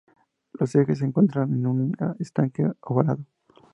Los ejes se encuentran en un estanque ovalado.